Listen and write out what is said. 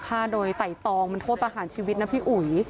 ฆ่าโดยไต่ตองมันโทษประหารชีวิตนะพี่อุ๋ย